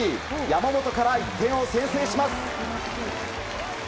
山本から１点を先制します。